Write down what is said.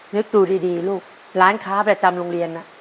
นึกดูดีลูกร้านค้าประจำโรงเรียนน่ะ